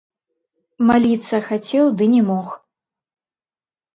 Маліцца хацеў, ды не мог.